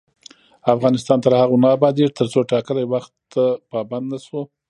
افغانستان تر هغو نه ابادیږي، ترڅو ټاکلي وخت ته پابند نشو.